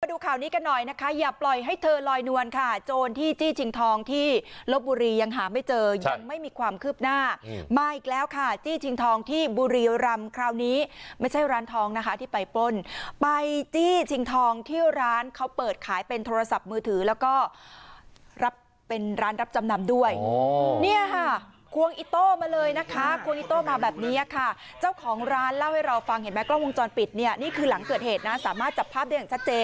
มาดูข่าวนี้กันหน่อยนะคะอย่าปล่อยให้เธอลอยนวลค่ะโจรที่จี้ชิงทองที่ลบบุรียังหาไม่เจอยังไม่มีความคืบหน้ามาอีกแล้วค่ะจี้ชิงทองที่บุรีรำคราวนี้ไม่ใช่ร้านทองนะคะที่ไปปล้นไปจี้ชิงทองที่ร้านเขาเปิดขายเป็นโทรศัพท์มือถือแล้วก็รับเป็นร้านรับจำนำด้วยนี่ค่ะควงอิโต้มาเลยนะคะควงอิโต้มาแบบนี้ค